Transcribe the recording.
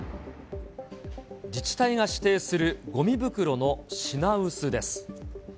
自治体が指定するごみ袋の品薄です。